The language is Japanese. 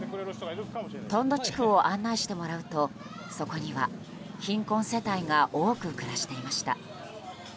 トンド地区を案内してもらうとそこには貧困世帯が多く暮らしていました。